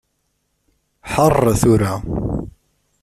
Ḥeṛṛ tura.